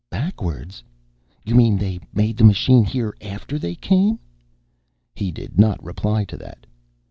"Backwards? You mean they made the machine here after they came?" He did not reply to that.